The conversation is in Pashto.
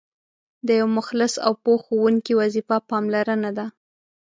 د یو مخلص او پوه ښوونکي وظیفه پاملرنه ده.